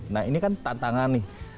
nah ini kan tantangan nih